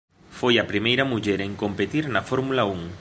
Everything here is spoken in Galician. Foi a primeira muller en competir na Fórmula Un.